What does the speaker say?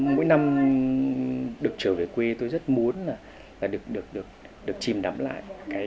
mỗi năm được trở về quê tôi rất muốn được chìm đắm lại